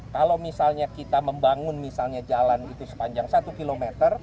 kalau misalnya kita membangun jalan sepanjang satu km